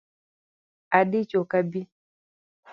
Adich ok abi